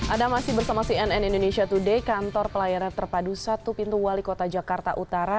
ada masih bersama cnn indonesia today kantor pelayanan terpadu satu pintu wali kota jakarta utara